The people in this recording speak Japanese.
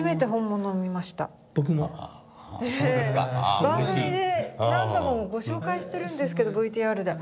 番組で何度もご紹介してるんですけどＶＴＲで。